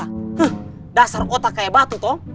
hah dasar otak kayak batu kok